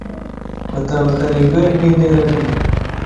Batandukanijwe nintera nini.